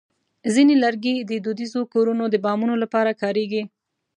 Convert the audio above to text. ځینې لرګي د دودیزو کورونو د بامونو لپاره کارېږي.